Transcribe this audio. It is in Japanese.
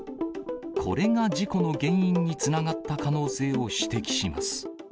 これが事故の原因につながった可能性を指摘します。